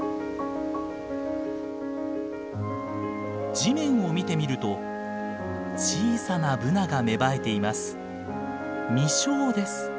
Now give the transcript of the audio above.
地面を見てみると小さなブナが芽生えています。